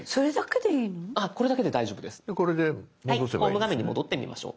ホーム画面に戻ってみましょう。